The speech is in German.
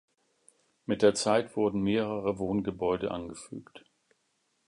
Mit der Zeit wurden mehrere Wohngebäude angefügt.